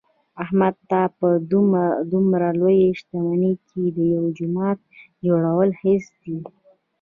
احمد ته په دمره لویه شتمنۍ کې د یوه جومات جوړل هېڅ دي.